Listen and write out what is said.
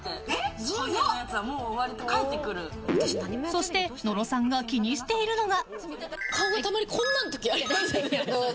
そして野呂さんが気にしているのが。